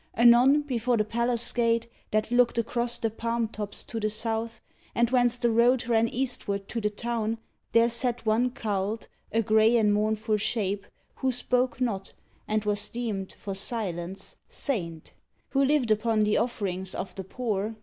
Anon before the palace gate That looked across the palm tops to the south, And whence the road ran eastward to the town, There sat one cowled, a grey and mournful shape, Who spoke not, and was deemed, for silence, saint, — Who lived upon the offerings of the poor.